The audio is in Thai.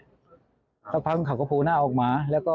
สักพักนึงเขาก็พูหน้าออกมา